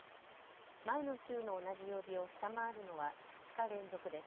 前の週の同じ曜日を下回るのは２日連続です。